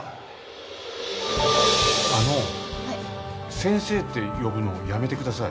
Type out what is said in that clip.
先生って呼ぶのやめてください。